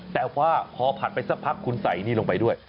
แต่ว่าพอผัดไปสักพักคุณใส่นี่ลงไปด้วย